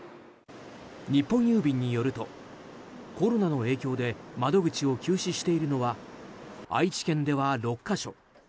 日本郵便によるとコロナの影響で窓口を休止しているのは愛知県では６か所。